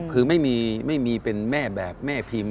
คือไม่มีเป็นแม่แบบแม่พิมพ์